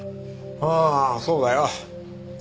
ああそうだよ。